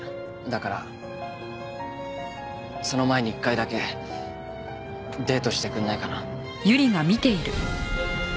だからその前に１回だけデートしてくれないかな？